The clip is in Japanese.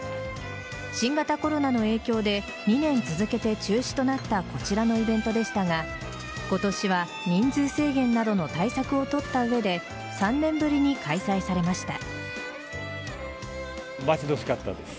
新型コロナの影響で２年続けて中止となったこちらのイベントでしたが今年は人数制限などの対策を取った上で３年ぶりに開催されました。